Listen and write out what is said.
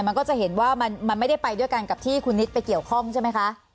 มันก็จะเห็นว่ามันไม่ได้ไปด้วยกันกับที่คุณนิดไปเกี่ยวข้องใช่ไหมคะ